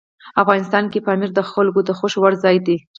افغانستان کې پامیر د خلکو د خوښې وړ ځای دی.